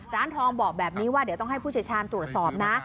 ร้านทองบอกแบบนี้ว่าเดี๋ยวต้องให้ผู้เชี่ยวชาญตรวจสอบนะ